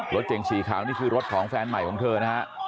รถเก่งสีขาวนี่คือรถของแฟนใหม่ของเธอนะฮะ